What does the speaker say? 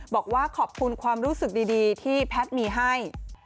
บอกว่าขอบคุณความรู้สึกดีที่แพทย์มีให้